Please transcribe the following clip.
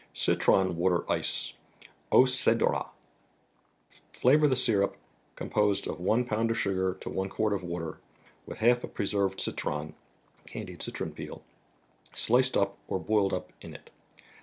Citron flUater 9Jce (au Cctsrat). Flavor the syrup, composed of one pound of sugar to one quart of water, with half a preserved citron (candied citron peel), sliced up, or boiled up, in it.